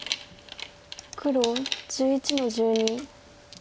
黒１１の十二。